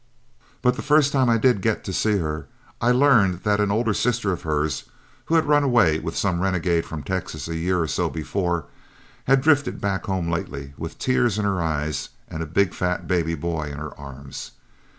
But the first time I did get to see her I learned that an older sister of hers, who had run away with some renegade from Texas a year or so before, had drifted back home lately with tears in her eyes and a big fat baby boy in her arms.